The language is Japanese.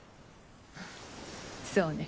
そうね。